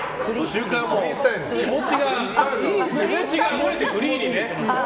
気持ちが動いてフリーにね。